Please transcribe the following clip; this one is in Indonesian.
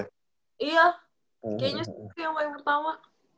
iya kayaknya yang paling pertama